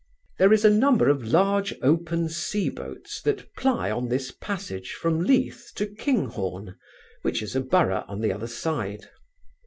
There is a number of large open sea boats that ply on this passage from Leith to Kinghorn, which is a borough on the other side.